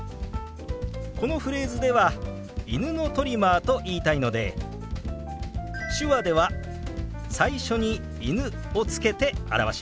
このフレーズでは「犬のトリマー」と言いたいので手話では最初に「犬」をつけて表します。